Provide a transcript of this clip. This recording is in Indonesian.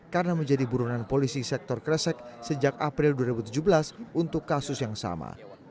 karena menjadi burungan polisi sektor kresek sejak april dua ribu tujuh belas untuk kasus yang sama